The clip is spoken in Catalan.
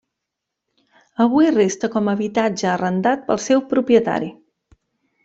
Avui resta com a habitatge arrendat pel seu propietari.